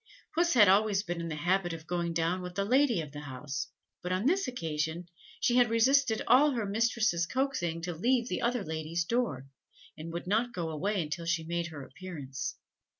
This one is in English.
Puss had always been in the habit of going down with the lady of the house, but on this occasion she had resisted all her mistress's coaxing to leave the other lady's door, and would not go away until she made her appearance.